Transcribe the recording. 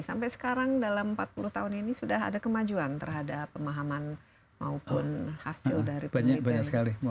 sampai sekarang dalam empat puluh tahun ini sudah ada kemajuan terhadap pemahaman maupun hasil dari penelitian